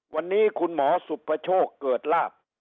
วันนี้คุณหมอสุภโชคเกิดลาบ